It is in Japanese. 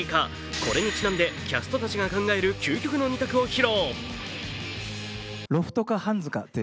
これにちなんでキャストたちが考える究極の２択を披露。